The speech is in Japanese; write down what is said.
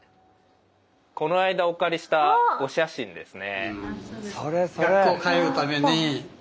この間お借りしたお写真ですね。